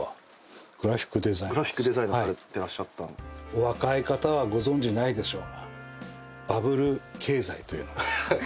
お若い方はご存じないでしょうが。